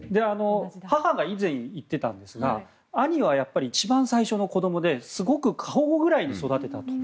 母が以前、言ってたんですが兄はやっぱり一番最初の子供ですごく過保護ぐらいに育てたと。